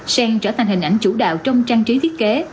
sen trở thành hình ảnh chủ đạo trong trang trí thiết kế